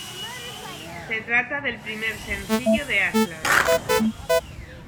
Se trata del primer sencillo de Aslan.